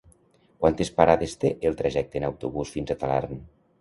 Quantes parades té el trajecte en autobús fins a Talarn?